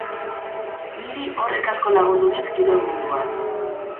Niri horrek asko lagundu dit kirol munduan.